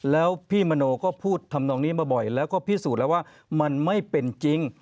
แล้วพี่มโนก็พูดทำนองนี้มาบ่อยแล้วก็พิสูจน์แล้วว่ามันไม่เป็นจริง